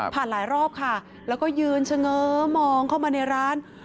หลายรอบค่ะแล้วก็ยืนเฉง้อมองเข้ามาในร้าน